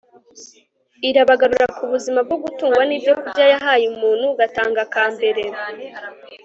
irabagarura ku buzima bwo gutungwa n'ibyokurya yahaye umuntu katanga ka mbere